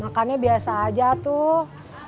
makannya biasa aja tuh